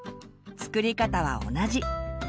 作り方は同じ。